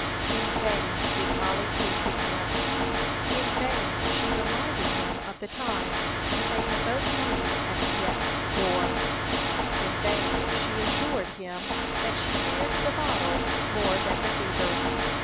In vain did Mollie plead with him; in vain she reminded him of the time when they had both lain at death's door; in vain she assured him that she feared the bottle more than the fever.